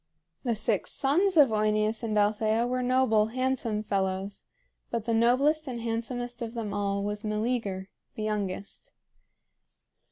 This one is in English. The six sons of OEneus and Althea were noble, handsome fellows; but the noblest and handsomest of them all was Meleager, the youngest.